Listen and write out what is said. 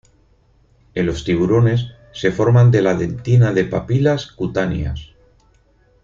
En los tiburones se forman de la dentina de papilas cutáneas.